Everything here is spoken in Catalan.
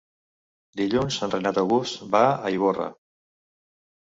Dilluns en Renat August va a Ivorra.